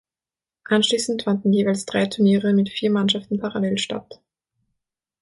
Anschließend fanden jeweils drei Turniere mit vier Mannschaften parallel statt.